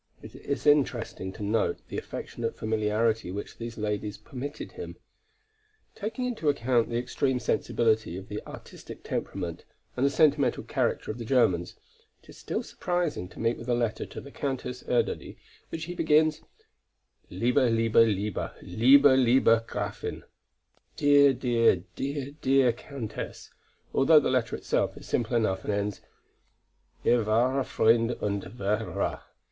It is interesting to note the affectionate familiarity which these ladies permitted him. Taking into account the extreme sensibility of the artistic temperament and the sentimental character of the Germans, it is still surprising to meet with a letter to the Countess Erdödy, which he begins: "Liebe, liebe, liebe, liebe, liebe Gräfin" ("Dear, dear, dear, dear, dear Countess"), although the letter itself is simple enough and ends: "Ihr wahrer Freund und Verehrer."